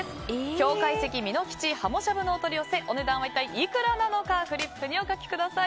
京懐石みのきち鱧しゃぶのお取り寄せお値段は一体いくらなのかフリップにお書きください。